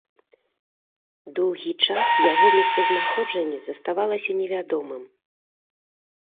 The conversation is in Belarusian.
Доўгі час яго месцазнаходжанне заставалася невядомым.